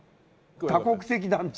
多国籍団地。